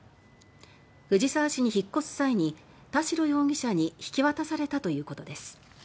藤沢市に引っ越す際に田代容疑者に引き渡されたということです。